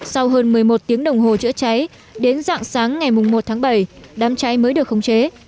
sau hơn một mươi một tiếng đồng hồ chữa cháy đến dạng sáng ngày một tháng bảy đám cháy mới được khống chế